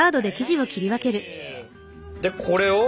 でこれを？